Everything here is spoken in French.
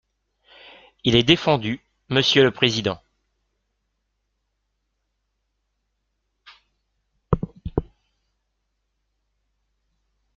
Il est défendu, monsieur le Président.